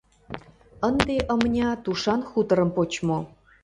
Ынде, ымня, тушан хуторым почмо.